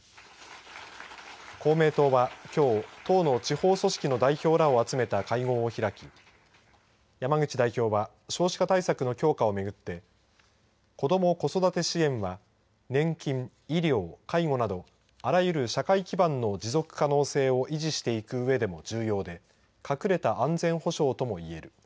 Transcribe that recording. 公明党はきょう、党の地方組織の代表らを集めた会合を開き山口代表は少子化対策の強化を巡って子ども・子育て支援は年金、医療、介護などあらゆる社会基盤の持続可能性を維持していく上でも重要で隠れた安全保障とも言える。